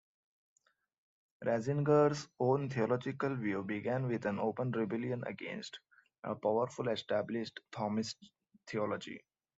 Ratzinger's own theological view began with an open rebellion against powerful established Thomist theology.